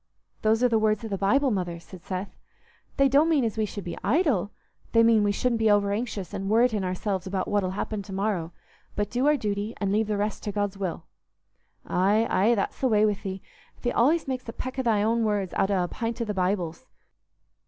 "Those are the words o' the Bible, Mother," said Seth. "They don't mean as we should be idle. They mean we shouldn't be overanxious and worreting ourselves about what'll happen to morrow, but do our duty and leave the rest to God's will." "Aye, aye, that's the way wi' thee: thee allays makes a peck o' thy own words out o' a pint o' the Bible's.